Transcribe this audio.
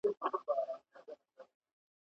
لېونې غوندې له ځـــــان خــــــــبردار نه يم